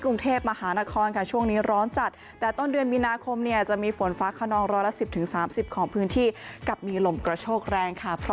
คลื่นสูง๑เมตร